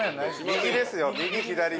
右ですよ右左右左。